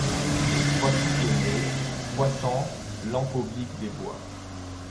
Crois-tu que lé, croissant, lampe oblique des bois